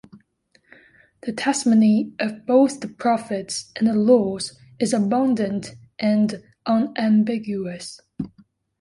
The testimony of both the prophets and the laws is abundant and unambiguous.